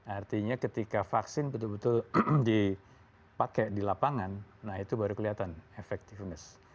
artinya ketika vaksin betul betul dipakai di lapangan nah itu baru kelihatan efektifness